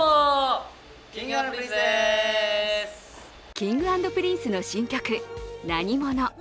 Ｋｉｎｇ＆Ｐｒｉｎｃｅの新曲「なにもの」。